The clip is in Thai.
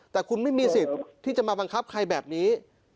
แต่คุณไม่มีสิทธิ์ที่จะมาบังคับใครแบบนี้